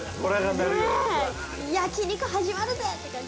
焼き肉始まるぜって感じ。